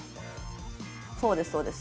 そうですそうです。